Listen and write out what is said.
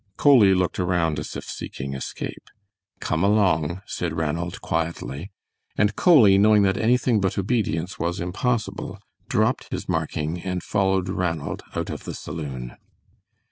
Coley looked around as if seeking escape. "Come along," said Ranald, quietly, and Coley, knowing that anything but obedience was impossible, dropped his marking and followed Ranald out of the saloon.